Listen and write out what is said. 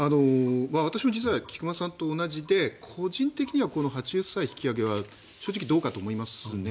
私も実は菊間さんと同じで個人的には８０歳引き上げは正直どうかと思いますね。